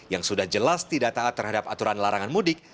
yang sudah jelas tidak taat terhadap aturan larangan mudik